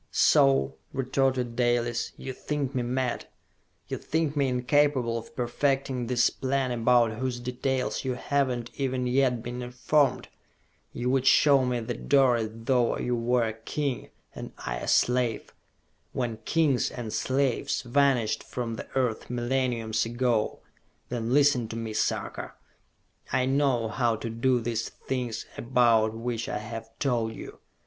"So," retorted Dalis, "you think me mad? You think me incapable of perfecting this plan about whose details you have not even yet been informed! You would show me the door as though you were a king and I a slave when kings and slaves vanished from the earth millenniums ago! Then listen to me, Sarka! I know how to do this thing about which I have told you.